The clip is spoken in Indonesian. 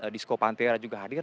disco pantera juga hadir